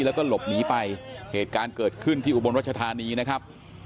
แล้วก็หลบหนีไปเหตุการณ์เกิดขึ้นที่อุบลรัชธานีนะครับ